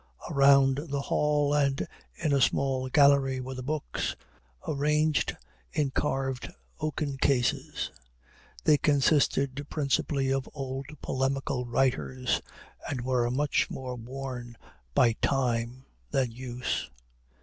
Around the hall and in a small gallery were the books, arranged in carved oaken cases. They consisted principally of old polemical writers, and were much more worn by time than use.